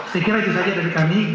saya kira itu saja dari kami